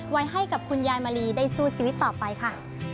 ไว้ให้กับคุณยายมะลีได้สู้ชีวิตต่อไปค่ะ